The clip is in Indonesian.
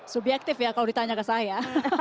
subjektif ya kalau ditanya ke saya